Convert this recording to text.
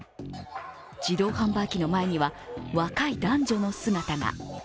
自動販売機の前には若い男女の姿が。